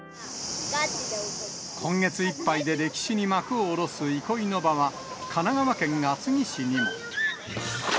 今月いっぱいで歴史に幕を下ろす憩いの場は、神奈川県厚木市にも。